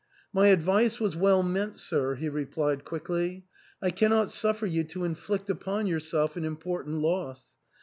" My advice was well meant, sir," he replied quickly ;" I cannot suffer you to inflict upon yourself an important loss.